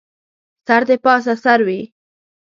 سر دې پاسه سر وي